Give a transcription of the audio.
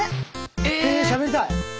えしゃべりたい。